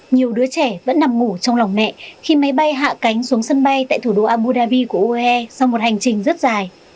nhiều đứa trẻ vẫn nằm ngủ trong lòng mẹ khi máy bay hạ cánh xuống sân bay tại thủ đô abu dhabi của ue sau một hành trình rất dài